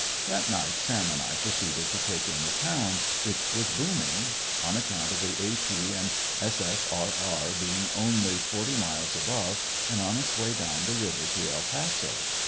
That night Sam and I proceeded to take in the town, which was booming, on account of the A. T. and S. F. R. R. being only forty miles above, and on its way down the river to El Paso.